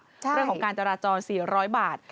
เรื่องของการจราจร๔๐๐บาท